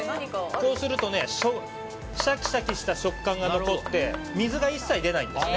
こうするとシャキシャキした食感が残って水が一切出ないんです。